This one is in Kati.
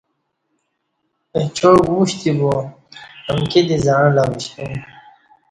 اچاک وُشتی با امکی دی زعݩلہ وشتو م